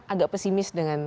agak pesimis dengan